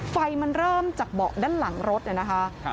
ไฟมันเริ่มจากเบาะด้านหลังรถเนี่ยนะคะ